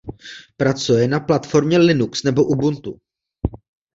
Pracuje na platformě Linux nebo Ubuntu.